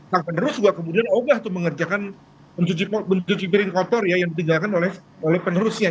kang penerus juga kemudian ogah tuh mengerjakan cuci piring kotor ya yang ditinggalkan oleh penerusnya